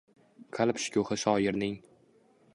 Qalb shukuhi shoirning